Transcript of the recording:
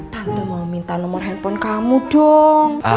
tante mau minta nomor handphone kamu dong